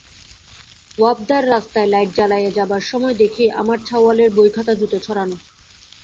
ওয়াপদার রাস্তায় লাইট জ্বালায়ে যাবার সময় দেখি আমার ছাওয়ালের বই-খাতা-জুতা ছড়ানো।